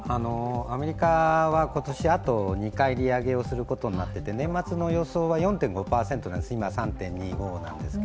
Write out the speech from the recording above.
アメリカは今年、あと２回、利上げをすることになっていて、年末の予想は４％です。